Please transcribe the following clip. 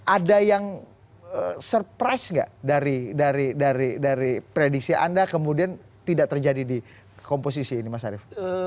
ada yang surprise nggak dari prediksi anda kemudian tidak terjadi di komposisi ini mas arief